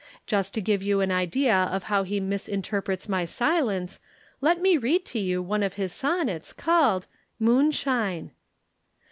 Just to give you an idea of how he misinterprets my silence let me read to you one of his sonnets called: "'MOONSHINE.